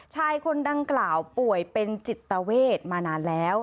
ชายคนดังกล่าวป่วยเป็นจิตเวทมานานแล้ว